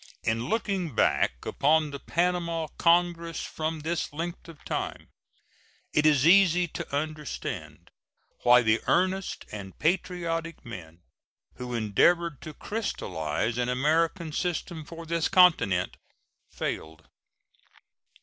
In looking back upon the Panama congress from this length of time it is easy to understand why the earnest and patriotic men who endeavored to crystallize an American system for this continent failed.